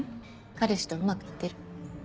彼氏とうまくいってる？